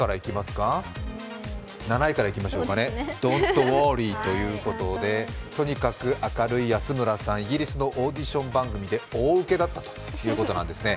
７位からいきましょうか、ドント・ウォーリーということでとにかく明るい安村さん、イギリスのオーディション番組で大ウケだったということなんですね。